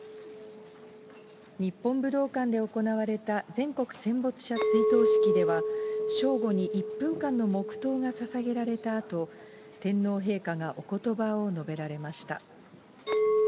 日本武道館で行われた全国戦没者追悼式では、正午に１分間に黙とうがささげられたあと、天皇陛下がおことばを述べられました。